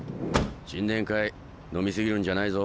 新年会飲み過ぎるんじゃないぞ。